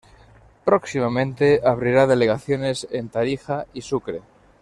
Próximamente abrirá delegaciones en Tarija y Sucre.